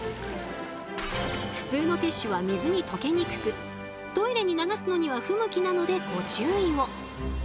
普通のティッシュは水に溶けにくくトイレに流すのには不向きなのでご注意を。